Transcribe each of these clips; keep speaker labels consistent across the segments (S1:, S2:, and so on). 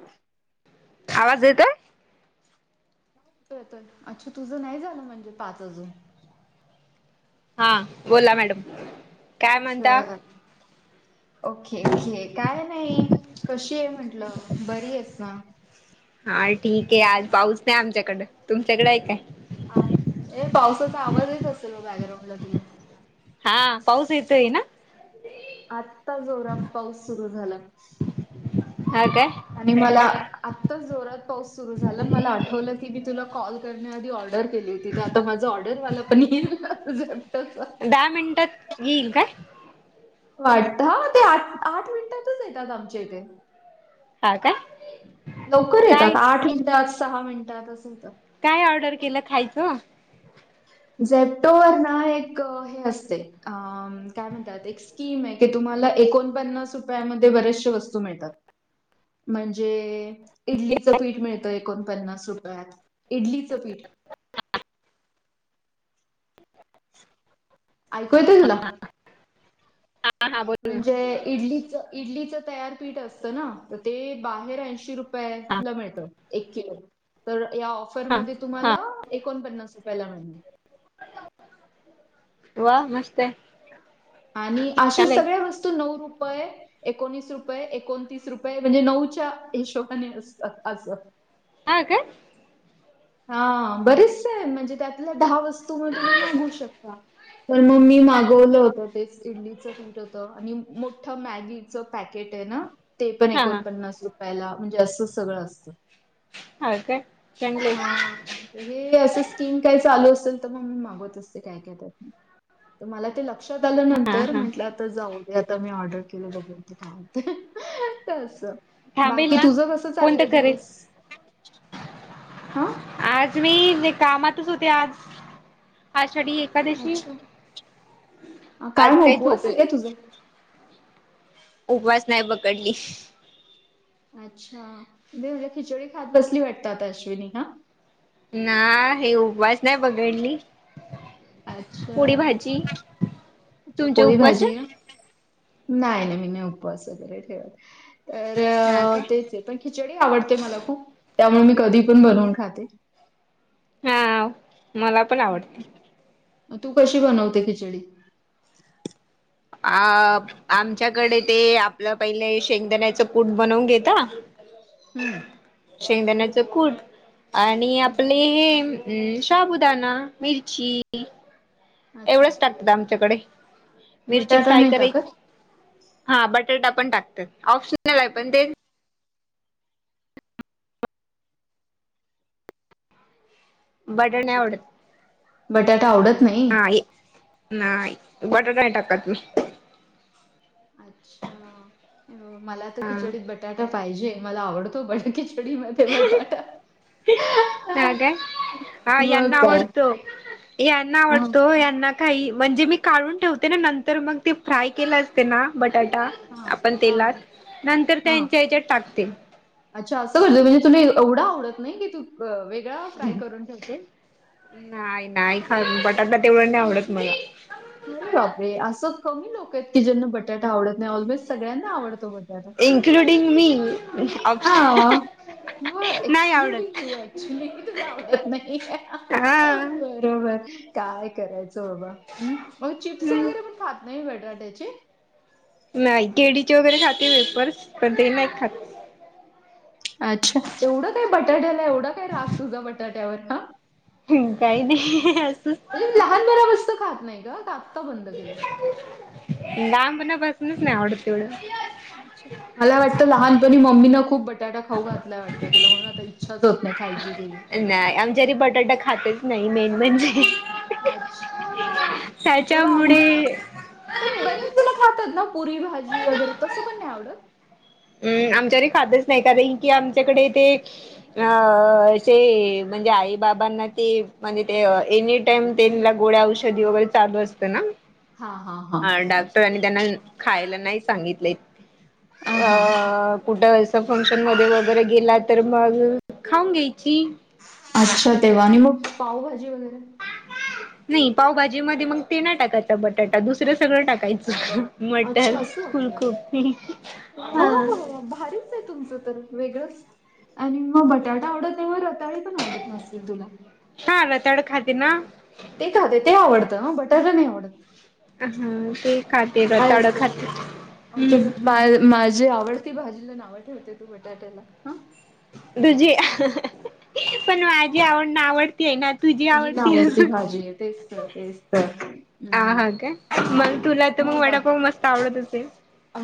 S1: हा
S2: आवाज येतोय?
S1: येतोय येतोय अच्छा तुझं नाही झालं म्हणजे पाच अजून.
S2: हा बोला मॅडम. काय म्हणता?
S1: [unintelligible] ओके ओके काय नाही कशी आहे म्हंटलं बरी आहेस ना?
S2: हा ठीक आहे आज पाऊस नाही आमच्याकडं तुमच्याकड आहे काय?
S1: आमची ए पावसाचा आवाज येत असेल बॅकग्राउंड ला तिला.
S2: हा पाऊस येतोय ना.
S1: आत्ता जोराात पाऊस सुरू झाला.
S2: हा काय?
S1: आणि मला आत्ता जोरात पाऊस सुरू झाला मला आठवलं की मी तुला कॉल करण्याआधी ऑर्डर केली होती तर आता माझा ऑर्डरवाला पण येईल ना ते झेपटोचा.
S2: दहा मिनिटात येईल काय?
S1: वाटतं हा हा ते आ आठ मिनिटातच येतात आमच्या इथे.
S2: हा काय
S1: लवकर
S2: काय
S1: येतात आठ मिनिटात, सहा मिनिटात असं होतं
S2: काय ऑर्डर केलं खायचं?
S1: झेमटोवर ना एक हे असतंय अ काय म्हणतात एक स्कीम आहे, की तुम्हाला एकोणपन्नास रुपयामध्ये बरेचशें वस्तू मिळतात. म्हणजे इडलीचं पीठ मिळतं एकोणपन्नास रुपयात, इडलीचं पीठ. ऐकू येतंय तूला?
S2: हा हा बोल
S1: म्हणजे इडलीच इडलीचं तयार पीठ असत ना तर ते बाहेर ऐंशी
S2: हा.
S1: रुपयाला मिळतं एक किलो. तर या
S2: हा
S1: ऑफरमध्ये
S2: हा
S1: तुम्हाला एकोणपन्नास रुपयाला मिळणार.
S2: वा मस्त हाय.
S1: आणि अशा सगळ्या वस्तू नऊ रुपये एकोणीस रुपये, एकोणतीस रुपये म्हणजे नऊच्या हिशोबाने असतात असं.
S2: हा काय?
S1: हा बरेचस आहे म्हणजे त्यातल्या दहा वस्तू मग तुम्ही मागवू शकता. तर मग मी मागवलं होत तेच इडलीच पीठ. [unintelligible] होत आणि मोठ मॅगीच पॅकेट आहे ना ते पण
S2: हा हा
S1: एकोणपन्नास रुपयाला म्हणजे असं सगळं असतं.
S2: हा काय? चांगल
S1: हा
S2: आहे.
S1: हा. हे असं स्कीम काय चालू असेल, तर मग मी मागवत असते काय काय तर. मला ते लक्षात आल्यानंतर
S2: हा
S1: म्हंटलं आत तर जाऊ दे आता मी ऑर्डर केले बघु ते काय होतंय ते असं.
S2: थांबेल
S1: बाकी
S2: ना
S1: तुझं कसं
S2: फोन तर
S1: चाललंय
S2: करेल
S1: दिवस? आ?
S2: आज मी लय कामातच होते. आज आषाढी एक दशी
S1: अच्छा
S2: आज काही झोपलं
S1: तुझं
S2: उपवास नाही पकडली.
S1: अच्छा. मी म्हटलं खिचडी खात बसली वाटत आता अश्विनी हा.
S2: नाही हे उपवास ना फ टेंडली पुरी
S1: अच्छा
S2: भाजी.
S1: अच्छा
S2: तुमचे
S1: पोळी
S2: उपवास
S1: भाजी
S2: आहे?
S1: नाही नाही मी नाही उपवास वगैरे ठेवतं.
S2: हा
S1: तर
S2: काय
S1: तेच हे पण खिचडी आवडते मला खूप त्यामुळे मी कधी पण बनवून खाते.
S2: हा. मला पण आवडते.
S1: मग तू कशी बनवते खिचडी?
S2: आ आमच्याकडे ते आपलं पहिले शेंगदाण्याचं कूट बनवून घेता.
S1: हम्म.
S2: शेंगदाण्याचं कूट आणि
S1: हम्म.
S2: आपले हे हम्म शाबुदाणा, मिरची
S1: अच्छा.
S2: एवढंच टाकतात आमच्याकडे. मिरची
S1: बटाटा
S2: फ्राय
S1: नाही
S2: कराय
S1: टाकत?
S2: हा बटाटा पण टाकतात, ऑप्शनल आहे पण ते. बटाटा नाही आवडत
S1: बटाटा आवडत
S2: नाही नाही बटाटा नाय टाकत मी.
S1: अच्छा, मला आ तर
S2: हा
S1: खिचडीत बट बटाटा पाहिजे. मला आवडतो खिचडीमध्ये बटाटा.
S2: हा काय? हा यांना
S1: मग काय?
S2: आवडतो यांना
S1: हा
S2: आवडतो. यांना काही म्हणजे मी काढून ठेवते ना नंतर मग ते फ्राय केलं असते ना बटाटा
S1: हा
S2: आपण
S1: हा
S2: तेलात, नंतर
S1: हा.
S2: त्यांच्या हच्यात टाकते.
S1: अच्छा असं करते, म्हणजे तुला एवढं आवडत नाही, की तू वेगळा फ्राय करून ठेवते.
S2: नाही, नाही खात बटाटा तेवढं नाही आवडत मला.
S1: अरे बापरे, ! असं कमी लोकं आहेत की ज्यांना बटाटा आवडत नाही, ऑलमोस्ट सगळ्यांना आवडतो बटाटा.
S2: इन्क्लूडिंग मी. हं ह हं [unintelligible]
S1: नो एक्सक्लुडिंग यू ऍक्च्युली की तुला आवडत नाहीये. हा बरोबर, काय करायचं बाबा, हं मग चिप्स वगैरे खात नाही बटाट्याचे.
S2: नाही, केळीचे वगैरे खाते वेफर्स, पण ते नाही खात.
S1: अच्छा, एवढं काय बटाट्याला, एवढा काय राग तुझा बटाट्यावर हा.
S2: हं काही नाही असंच.
S1: तु लहानपणापासून खात नाही का आत्ता बंद केलं.
S2: लहानपणापासनचं नाय आवडतं तेवढं.
S1: मला वाटतं लहानपणी मम्मींनं खूप बटाटा खाऊ घातलाय वाटतं तुला, म्हणून आता इच्छाच होत नाही. खायची तुझी.
S2: नाही, आमच्या घरी बटाटा खातच नाही मेन म्हणजे.
S1: अच्छा. बाबा
S2: त्याच्यामुळे
S1: आमच्या पण बरेच जणं खातात ना पुरी भाजी वगैरे, तसं पण नाही आवडत.
S2: अं मग आमच्या घरी खातच नाही कारन कि आमच्याकडे ते अ असे म्हणजे आई बाबांना ती म्हणजे ते एनि टाईम त्यांनला गोळ्या औषध वगैरे चालू असतं ना.
S1: हा हा.
S2: हा डॉक्टरांनी त्यांना खायला नाही सांगितलय,
S1: आ हा.
S2: अ कुठं असं फंक्शन मध्ये वगैरे गेला, तर मग खाऊन घ्यायची.
S1: अच्छा तेव्हा, आणि मग पावभाजी वगैरे.
S2: नाही, पावभाजी मध्ये मग ते नाही टाकायचा बटाटा, दुसरं सगळं टाकायचं. मटर
S1: अच्छा असं.
S2: फुलकोबी हा.
S1: ये तुमचं तर, वेगळंच. आणि मग बटाटा आवडत नाही म रताळी पण आवडत नसतील तुला.
S2: हा रताळं खाते ना.
S1: ते खाते ते आवडतं, बटाटा नाही आवडत.
S2: हा ते खाते
S1: काय
S2: रताळं
S1: असं
S2: खाते,,
S1: आमच्या
S2: हम्म.
S1: मा माझी आवडती भाजीला नावं ठेवते तू बटाट्याला. हं.
S2: तुझी, हाहा, पण माझी नावडती आहे ना.
S1: तुझी
S2: आवडती
S1: नावडती
S2: असून
S1: भाजी य, तेच तर तेच तर.
S2: ह हा काय मग तुला तर मग वडापाव मस्त आवडत असेल.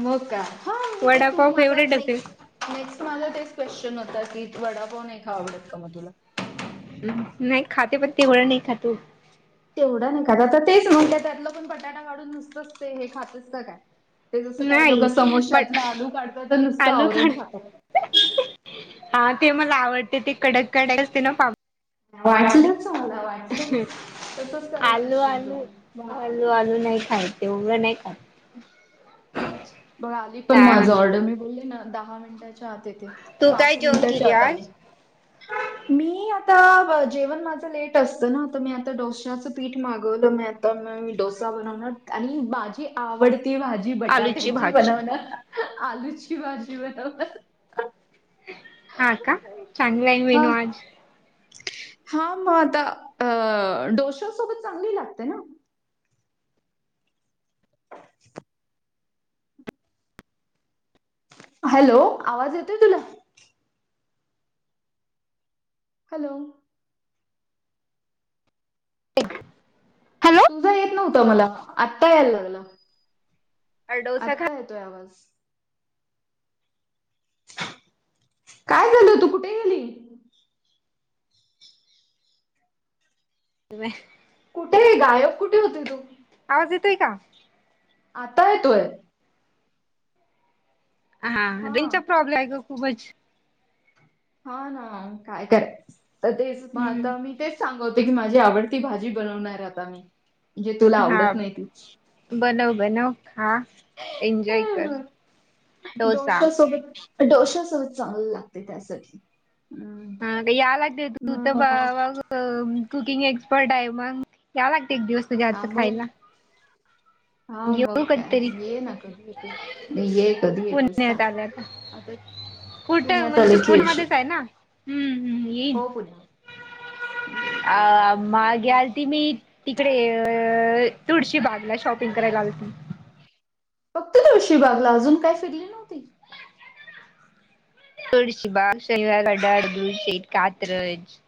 S1: मग काय, हा ते तू
S2: वडापाव
S1: मला
S2: फेवरेट असेल
S1: नेक्स्ट नेक्स्ट माझं तेच क्वेशचन होता की, वडापाव नाही का आवडत का मग तुला.
S2: नाही खाते, पण तेवढं नाही खातो.
S1: तेवढं नाही खात, आता तेच मग त्यातलं पण बटाटा काढून नुसतच ते हे खातेस का काय? ते जसं काही लोकं
S2: नाही बट
S1: समोश्यातलं आलू काढतात, आणि नुसतं आवरण खातात.
S2: हां ते मला आवडते ते कडक कडक असते ना पाप.
S1: वाटलंच मला वाटलंच, तसंच करत असशील तु, वा
S2: तो अजून नाही खायत, तेवढं नाही खात.
S1: अच्छा, बघ आली पण
S2: काय
S1: माझं
S2: म्हण
S1: ऑर्डर, मी बोलली ना दहा मिनिटाच्या आत येते.
S2: तू काय
S1: पाच
S2: जेवण
S1: मिनिटाच्या
S2: केली
S1: आत
S2: आज
S1: आले. मी.. आता जेवण माझं लेट असतं ना तर मी आता डोश्याचं पीठ मागवलं, मी आता मी डोसा बनवणार आणि माझी आवडती भाजी
S2: आलूची
S1: बटाट्याची
S2: भाजी
S1: बनवण, ह्.. आलूची भाजी बनवणार ह्..
S2: हा.. का.. चांगला आहे मेनू आज
S1: हा.. मग आता, अ.. डोशासोबत चांगली लागते ना. हं [unintelligible] हॅलो!.. आवाज येतोय तूला? हॅलो! तुझा
S2: हॅलो
S1: येत नव्हता मला, आत्ता यायला लागला...
S2: डोसा
S1: आत्ता
S2: खातोय
S1: येतोय आवाज. काय झाल, तू कुठे गेली?
S2: बापरे [unintelligible]
S1: कुठ.. य.. गायब कुठे होते तू?
S2: आवाज येतोय का?
S1: आता येतोय.
S2: हा
S1: हां.
S2: रेंजचा प्रॉब्लेम आहे ग.. खूपच
S1: हा.. ना.. काय करायचं, तर तेच आता
S2: हम्म
S1: मी तेच सांगवते की माझी आवडती भाजी बनवणार आता मी, जे तुला
S2: हा
S1: आवडत नाही तीच.
S2: बनव.. बनव.. खा, एन्जॉय कर.. डोसा
S1: डोश्या सोबत डोश्यासोबत चांगल लागते त्यासाठी हम्म
S2: हा.. या लागते तू तर बा..
S1: मग
S2: बा.. कुकिंग एक्सपर्ट आहे, मग याव लागत एक दिवस तुझ्या
S1: हा
S2: हातच
S1: मग
S2: खायला.
S1: हा.. मग
S2: येऊ
S1: काय,
S2: कधीतरी
S1: ये.. ना कधी येतस, ये कधी येतेस
S2: पुण्यात आल्या का
S1: सांग.
S2: कुठं
S1: पुण्यात
S2: म्हणजे
S1: आले
S2: तू
S1: की येते.
S2: पुण्यामध्येच आहे ना हम्म.. हम्म.. ई..
S1: ये ये
S2: अ..
S1: ये.
S2: मागे
S1: मग
S2: आलती मी तिकडे अ.. तुळशी बागला शॉपिंग करायला आलती.
S1: फक्त तुळशी बागला अजून काय फिरली नव्हती?
S2: तुळशीबाग, शनिवारवाडा, दगडूशेठ, कात्रज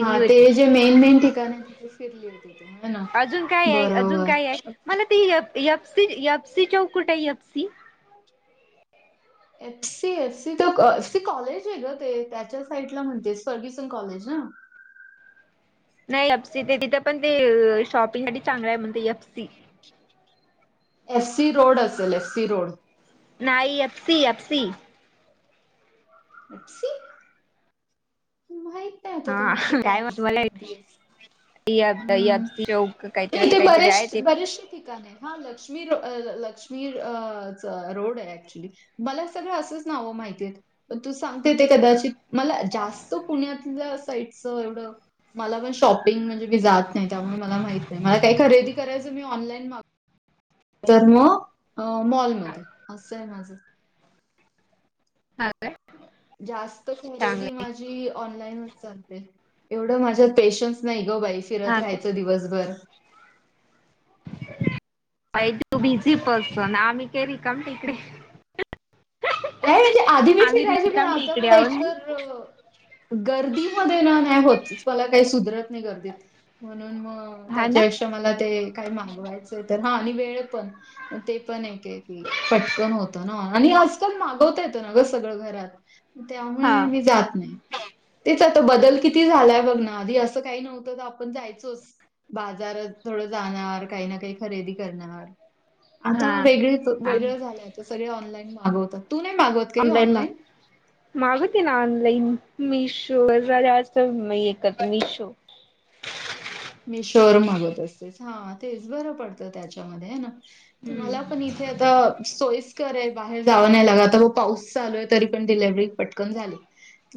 S1: हा.. ते
S2: होती.
S1: जे मेन.. मेन ठिकाण आहे ते कुठं फिरली होती तू? ह.. ना बरोबर
S2: ती यप.. यपसी.. यपसी.. चौक कुठ आहे? FC
S1: F. C... F. C. तर एफ. सी. कॉलेज आहे ग ते त्याच्या साईडला म्हणते फर्ग्युसन कॉलेज ना
S2: नाही एफ. सी. ते तिथे पण ते.. य.. शॉपिंग साठी चांगलं आहे म्हणते F. C.
S1: S. C. Road असेल एस. सी. रोड
S2: नाई F. C... F. C.
S1: F. C. माहित नाही आता तू
S2: हा
S1: नक्की काय एफ.
S2: म्हणत
S1: सी.
S2: मला
S1: म्हणतेस. ह्म्म..
S2: एफसी चौक काहीतरी
S1: ये
S2: असं
S1: ते
S2: काहीतरी आहे
S1: बरेशे..
S2: ते
S1: बरेशे.. ठिका आहे, हा.. लक्ष्मी.. लक्ष्मी अ.. च.. रोड आहे. मला सगळं असंच नाव माहिती आहेत, पण तू सांगते ते कदाचित मला जास्त तो पुण्यातल्या साईडच एवढं मला पण शॉपिंग म्हणजे मी जात नाही त्यामुळे मला माहित नाही मला काही खरेदी करायचं मी ऑनलाईन माग तर.. मग. मॉलमध्ये, असं आहे माझं
S2: हा काय
S1: जास्त
S2: चांगलं
S1: खरेदी
S2: आहे
S1: माझी जि ऑनलाईन वर चालते, ऐवढ माझ्यात पेशंन्स नाही ग बाई. फिरत
S2: हा काय
S1: राहायचं दिवसभर.
S2: बाई तु बिझी पर्सन, आम्ही काय रीकाम टेकडे
S1: नाही म्हणजे आधी मी
S2: आम्ही
S1: फिरायची पण
S2: रिकाम
S1: आता
S2: टेकडे
S1: मला एक
S2: आहोत.
S1: तर गर्दीमध्ये ना नाही होत मला काही सुधरत नाही गर्दीत. म्हणून मग
S2: हा ना.
S1: त्याच्या शी त मला ते काही मागवायचंय तर हा आणि वेळ पण ते पण एक आहे की पटकन होत न, आणि अस मागवता येत ना ग सगळं घरात, म त्यामुळे
S2: हा.
S1: मी जात नाही. तेच आता बदल किती झालाय बघ ना, आधी असं काही नव्हतं तर आपण जायचोच बाजारात थोडं जाणार, काही ना काही खरेदी करणार. आता
S2: हा
S1: वेगळीच
S2: हा.
S1: वेगळं झालय आता सगळे ऑनलाईन मागवतात, तू नाही मागवत?
S2: ऑनलाईन मा मागवते ना ऑनलाईन, मिशो वर जरा मी हे करते मीशो
S1: मीशो वर मागवत असतेस, हा तेच बरं पडतं त्याच्यामध्ये, हेना? तुम्हाला
S2: हम्म.
S1: पण इथे आता सोयीस्कर ये बाहेर जावं नाही लागत, आता बघ पाऊस चालू आहे तरी पण डिलेव्हरी पटकन झाली.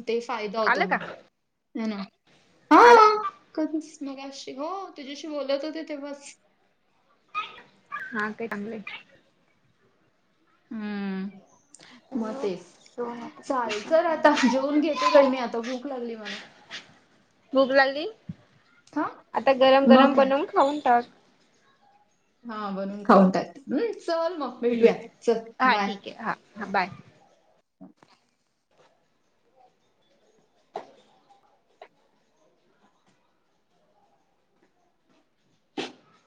S1: ते फायदा होतो मग, हो ना.
S2: आला
S1: हां, कधीच मगाशी हो तुझ्याशी बोलत होते तेव्हाच
S2: हा का चांगलं ये.
S1: हम्म मग तेच,
S2: शो
S1: चालेल
S2: नोटिफिकेशन
S1: चल आता
S2: सांगितलं.
S1: जेवुन घेते बाई मी आता भूक लागली मला.
S2: भूक लागली?
S1: हां
S2: आता गरम
S1: मग
S2: गरम
S1: काय?
S2: बनवून खाऊन टाक.
S1: हा बनून खाऊन टाकते हं चल मग
S2: हम्म
S1: भेटूया चल
S2: हा
S1: बाय.
S2: ठीक आहे हा बाय.
S1: [inaudible]